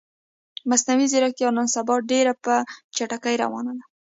مصنوعی ځیرکتیا نن سبا ډیره په چټکې روانه ده